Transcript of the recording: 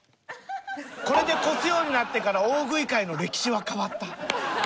これでこすようになってから大食い界の歴史は変わった。